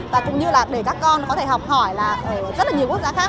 và cũng như là để các con có thể học hỏi là ở rất là nhiều quốc gia khác